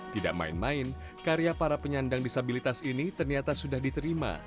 tidak main main karya para penyandang disabilitas ini ternyata sudah diterima